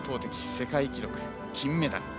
世界記録、金メダル。